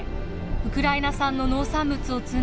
ウクライナ産の農産物を積んだ